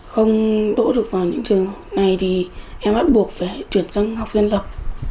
không đỗ được vào những trường này thì em bắt buộc phải chuyển sang học viên lập